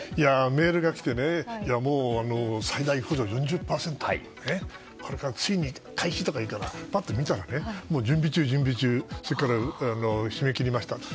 メールが来て最大補助４０％ってこれからついに開始というからパッと見たら準備中、準備中それから、締め切りましたって。